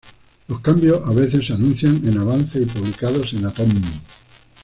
Los cambios, a veces, se anuncian en avances y publicados en Atom.